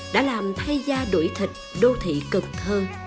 đã làm thay gia đuổi thịt đô thị cần thơ